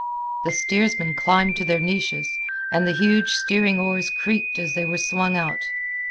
The steersmen climbed to their niches, and the huge steering oars creaked as they were swung out.